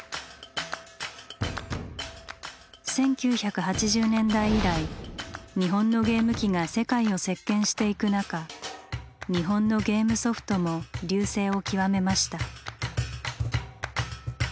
１９８０年代以来日本のゲーム機が世界を席巻していく中日本のゲームソフトも隆盛を極めました。